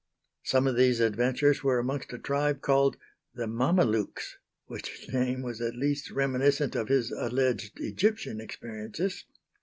Some of these adventures were amongst a tribe called "the Mamelucks" which name was at least reminiscent of his alleged Egyptian experiences.